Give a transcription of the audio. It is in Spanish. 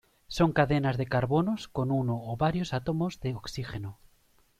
Son cadenas de carbonos con uno o varios átomos de oxígeno.